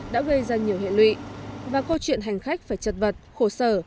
đã gây ra nhiều hệ lụy và câu chuyện hành khách phải chật vật khổ sở